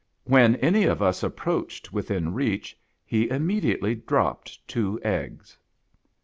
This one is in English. When any of us approached within reach, he imme diately dropped two eggs.